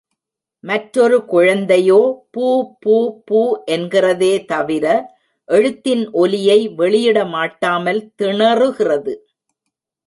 மற்றொரு குழந்தையோ பூ பூ பூ என்கிறதே தவிர எழுத்தின் ஒலியை வெளியிட மாட்டாமல் திணறுகிறது.